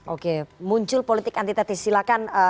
oke muncul politik antitesis silahkan